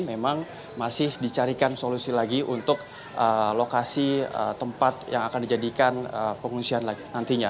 memang masih dicarikan solusi lagi untuk lokasi tempat yang akan dijadikan pengungsian nantinya